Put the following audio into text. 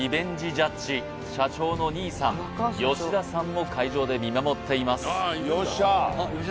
ジャッジ社長の新居さん吉田さんも会場で見守っていますさあ